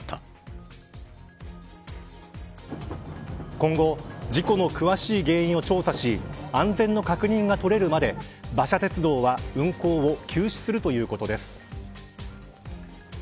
今後事故の詳しい原因を調査し安全の確認が取れるまで馬車鉄道は運行を休止するということです。